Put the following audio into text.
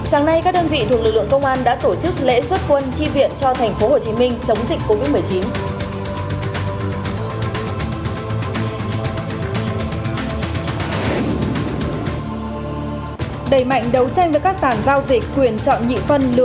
hãy đăng ký kênh để ủng hộ kênh của chúng mình nhé